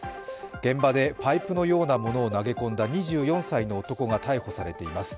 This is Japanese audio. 現場でパイプのようなものを投げ込んだ２４歳の男が逮捕されています。